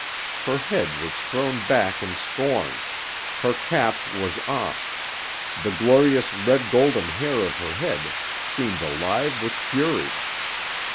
Her head was thrown back in scorn, her cap was off; the glorious red golden hair of her head seemed alive with fury.